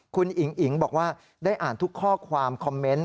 คุณอิ๋งอิ๋งบอกว่าได้อ่านทุกข้อความคอมเมนต์